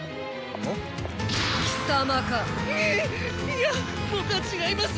いや僕は違います！